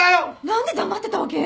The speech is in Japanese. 何で黙ってたわけ？